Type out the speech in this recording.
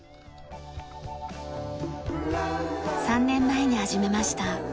３年前に始めました。